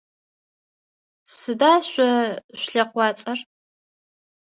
Сыда шъо шъулъэкъуацӏэр?